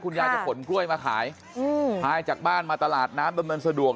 ยายจะขนกล้วยมาขายพายจากบ้านมาตลาดน้ำดำเนินสะดวก